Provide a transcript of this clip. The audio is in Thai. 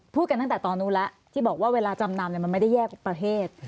กันตั้งแต่ตอนนู้นแล้วที่บอกว่าเวลาจำนำมันไม่ได้แยกประเทศ